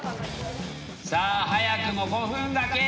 さあ早くも５分が経過。